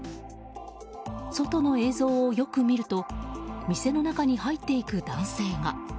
外の映像をよく見ると店の中に入っていく男性が。